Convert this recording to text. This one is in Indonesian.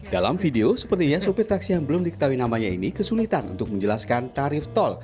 dalam video sepertinya sopir taksi yang belum diketahui namanya ini kesulitan untuk menjelaskan tarif tol